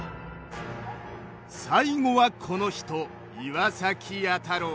最後はこの人岩崎弥太郎。